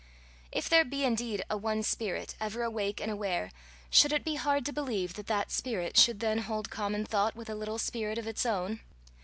If there be indeed a one spirit, ever awake and aware, should it be hard to believe that that spirit should then hold common thought with a little spirit of its own?